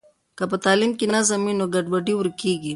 که په تعلیم کې نظم وي نو ګډوډي ورکیږي.